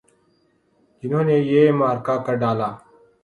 جنہوں نے یہ معرکہ کر ڈالا۔